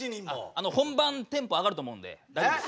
あの本番テンポ上がると思うんで大丈夫です。